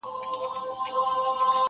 شاوخوا یې باندي ووهل څرخونه -